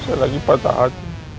saya lagi patah hati